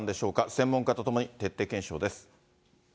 専門家とともに徹底検証です。